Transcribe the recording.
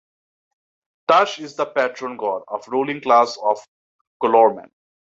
Tash is the patron god of the ruling class of Calormen.